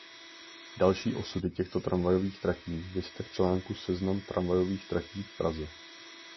Další osudy těchto tramvajových tratí vizte v článku Seznam tramvajových tratí v Praze.